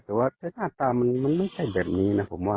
แต่น่าตามันไม่แบบนี้นะผมว่า